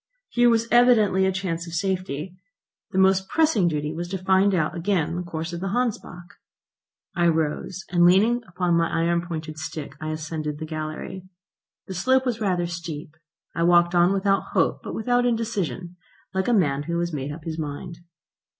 Here was evidently a chance of safety. The most pressing duty was to find out again the course of the Hansbach. I rose, and leaning upon my iron pointed stick I ascended the gallery. The slope was rather steep. I walked on without hope but without indecision, like a man who has made up his mind.